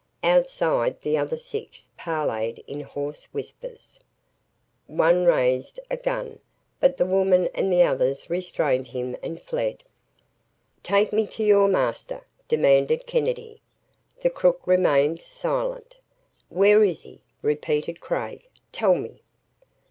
Outside, the other six parleyed in hoarse whispers. One raised a gun, but the woman and the others restrained him and fled. "Take me to your master!" demanded Kennedy. The crook remained silent. "Where is he?" repeated Craig. "Tell me!"